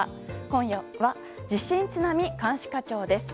今夜は、地震津波監視課長です。